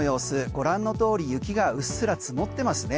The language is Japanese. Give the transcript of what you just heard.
ご覧の通り雪がうっすら積もってますね。